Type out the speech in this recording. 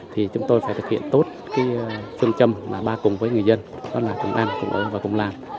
thì chúng tôi phải thực hiện tốt phương châm mà ba cùng với người dân đó là cùng ăn cùng ở và cùng làm